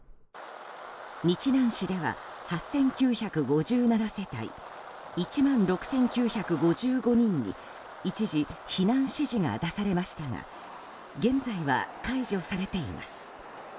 日南市では８９５７世帯１万６９５５人に一時、避難指示が出されましたが現在は解除されています。